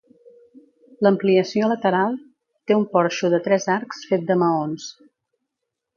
L'ampliació lateral té un porxo de tres arcs fet de maons.